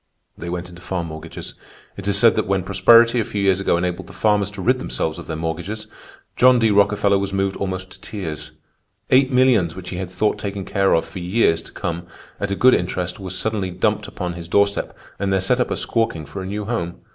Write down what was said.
They went into farm mortgages. It is said that when prosperity a few years ago enabled the farmers to rid themselves of their mortgages, John D. Rockefeller was moved almost to tears; eight millions which he had thought taken care of for years to come at a good interest were suddenly dumped upon his doorstep and there set up a squawking for a new home.